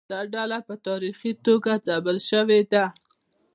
دا ډله په تاریخي توګه ځپل شوې ده.